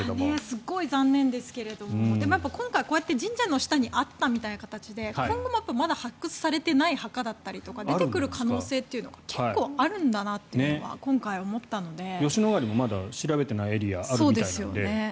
すごく残念ですがでも今回こうやって神社の下にあったみたいな形で今後もまだ発掘されていない墓だったりとか出てくる可能性が結構あるんだなというのが吉野ヶ里もまだ調べていないエリアがあるみたいなので。